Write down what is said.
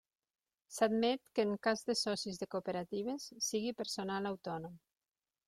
S'admet que en cas de socis de cooperatives sigui personal autònom.